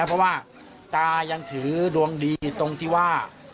เพราะว่าตายังถือดวงดีตรงที่ว่า